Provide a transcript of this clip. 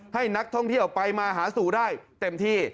ให้นักท่องเที่ยวไปมาหาสู่ได้เต็มที่